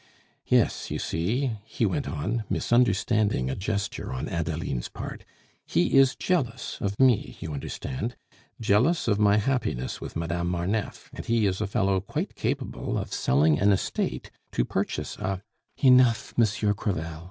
Yes, you see," he went on, misunderstanding a gesture on Adeline's part, "he is jealous of me, you understand; jealous of my happiness with Madame Marneffe, and he is a fellow quite capable of selling an estate to purchase a " "Enough, Monsieur Crevel!"